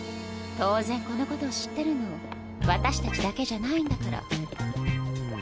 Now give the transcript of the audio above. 当然このことを知ってるの私たちだけじゃないんだから。